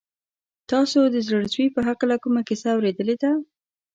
تاسو د زړه سوي په هکله کومه کیسه اورېدلې ده؟